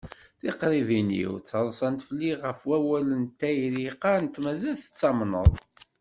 Tiqribin-iw ttaḍṣant felli ɣef wawal n tayri qqarent ma mazal tettamneḍ.